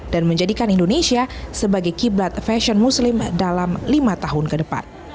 dan menjadikan indonesia sebagai kiblat fashion muslim dalam lima tahun ke depan